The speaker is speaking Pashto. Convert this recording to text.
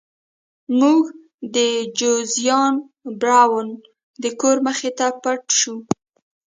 موږ د جوزیا براون د کور مخې ته پټ شو.